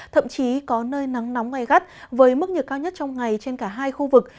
thậm chí có nơi nắng nóng gai gắt với mức nhiệt cao nhất trong ngày trên cả hai khu vực